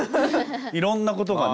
いろんなことがね。